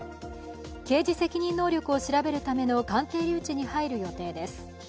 刑事責任能力を調べるための鑑定留置に入る予定です。